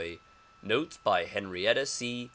Notes by Henrietta C.